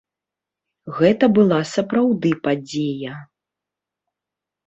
Гэта была сапраўды падзея.